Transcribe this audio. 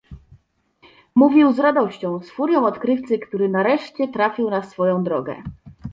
Mówił z radością, z furią odkrywcy, który nareszcie trafił na swoją drogę.